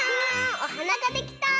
おはなができた！